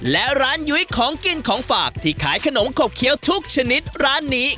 และร้านยุ้ยของกินของฝากที่ขายขนมขบเคี้ยวทุกชนิดร้านนี้